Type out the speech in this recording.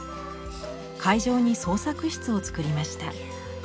会場に「創作室」を作りました。